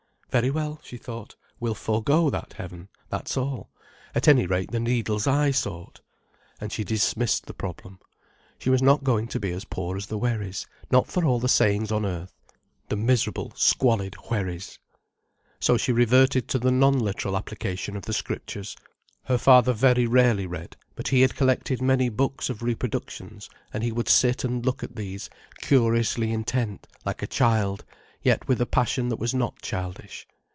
"Very well," she thought, "we'll forego that heaven, that's all—at any rate the needle's eye sort." And she dismissed the problem. She was not going to be as poor as the Wherrys, not for all the sayings on earth—the miserable squalid Wherrys. So she reverted to the non literal application of the scriptures. Her father very rarely read, but he had collected many books of reproductions, and he would sit and look at these, curiously intent, like a child, yet with a passion that was not childish.